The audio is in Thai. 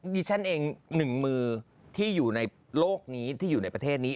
ดิฉันเองหนึ่งมือที่อยู่ในโลกนี้ที่อยู่ในประเทศนี้